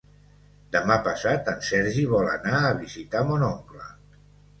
Demà passat en Sergi vol anar a visitar mon oncle.